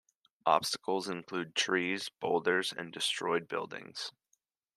Obstacles include trees, boulders and destroyed buildings.